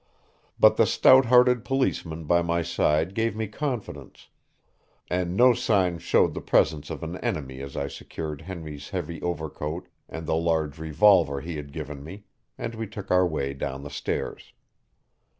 But the stout hearted policeman by my side gave me confidence, and no sign showed the presence of an enemy as I secured Henry's heavy overcoat and the large revolver he had given me, and we took our way down the stairs.